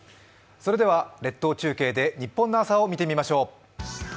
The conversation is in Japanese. それでは列島中継でニッポンの朝を見てみましょう。